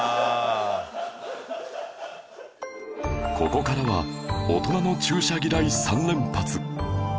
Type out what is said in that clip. ここからは大人の注射嫌い３連発